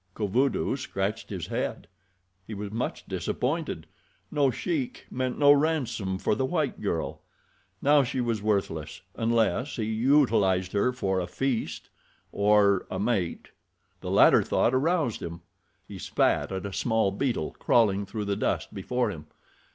Kovudoo scratched his head. He was much disappointed. No Sheik meant no ransom for the white girl. Now she was worthless, unless he utilized her for a feast or—a mate. The latter thought aroused him. He spat at a small beetle crawling through the dust before him.